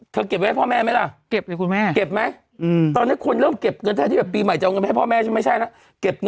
เตรียมเงินไว้ให้พ่อแม่ยัง